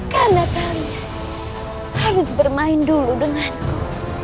karena kalian harus bermain dulu denganku